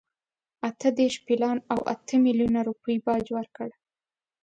اته دېرش پیلان او اته میلیونه روپۍ باج ورکړ.